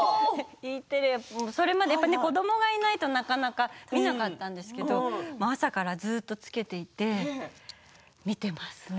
それまで子どもがいないとなかなか見なかったんですけど朝からずっとつけていて見ています。